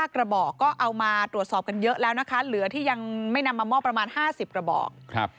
กระบอกก็เอามาตรวจสอบกันเยอะแล้วนะคะเหลือที่ยังไม่นำมามอบประมาณ๕๐กระบอก